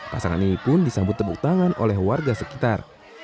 pasangan ini pun disambut tepuk tangan oleh warga sekitar